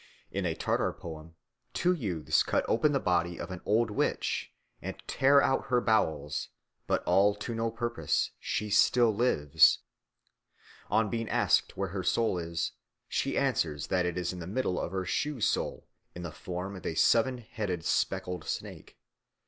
In a Tartar poem two youths cut open the body of an old witch and tear out her bowels, but all to no purpose, she still lives. On being asked where her soul is, she answers that it is in the middle of her shoe sole in the form of a seven headed speckled snake.